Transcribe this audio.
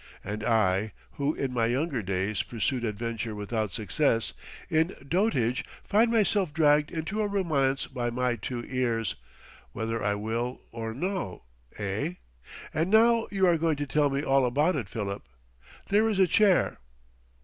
And I, who in my younger days pursued adventure without success, in dotage find myself dragged into a romance by my two ears, whether I will or no! Eh? And now you are going to tell me all about it, Philip. There is a chair....